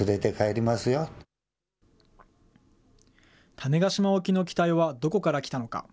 種子島沖の機体はどこから来たのか。